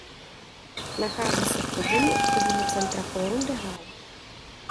Nachází se v podzemí obchodního centra Forum des Halles.